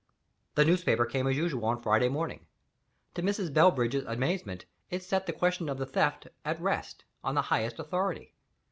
The newspaper came as usual on Friday morning. To Mrs. Bellbridge's amazement it set the question of the theft at rest, on the highest authority.